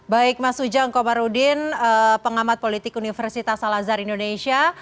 baik mas ujang komarudin pengamat politik universitas al azhar indonesia